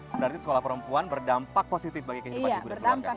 berarti sekolah perempuan berdampak positif bagi kehidupan ibu dan keluarga